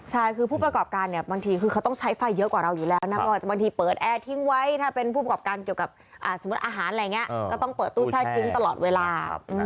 ใช่คือผู้ประกอบการเนี่ยบางทีคือเขาต้องใช้ไฟเยอะกว่าเราอยู่แล้วนะไม่ว่าจะบางทีเปิดแอร์ทิ้งไว้ถ้าเป็นผู้ประกอบการเกี่ยวกับสมมุติอาหารอะไรอย่างนี้ก็ต้องเปิดตู้แช่ทิ้งตลอดเวลา